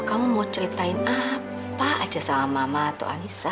kamu mau ceritain apa aja sama mama atau anissa